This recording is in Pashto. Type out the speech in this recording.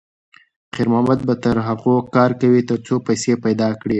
خیر محمد به تر هغو کار کوي تر څو پیسې پیدا کړي.